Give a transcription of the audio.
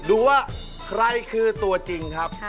ดูว่าใครคือตัวจริงครับ